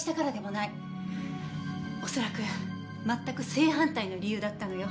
恐らく全く正反対の理由だったのよ。